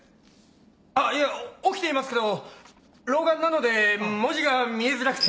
あっいや起きていますけど老眼なので文字が見えづらくて。